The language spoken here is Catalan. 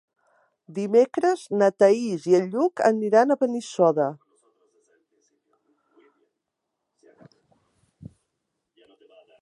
Dimecres na Thaís i en Lluc aniran a Benissoda.